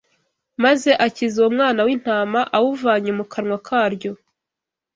maze akiza uwo mwana w’intama awuvanye mu kanwa karyo